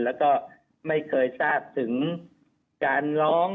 แล้วก็ไม่เคยทราบถึงการร้อง